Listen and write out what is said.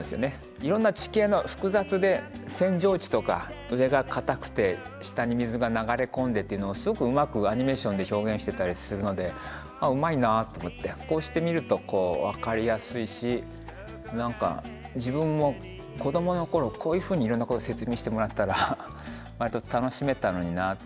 いろんな地形の複雑で扇状地とか上が硬くて下に水が流れ込んでっていうのをすごくうまくアニメーションで表現してたりするのでうまいなと思ってこうしてみると分かりやすいし何か自分も子どものころこういうふうにいろんなこと説明してもらったら割と楽しめたのになって。